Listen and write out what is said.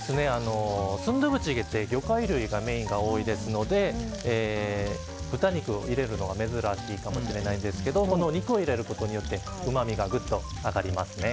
スンドゥブチゲって魚介類がメインが多いですので豚肉を入れるのは珍しいかもしれないんですが肉を入れることによってうまみがぐっと上がりますね。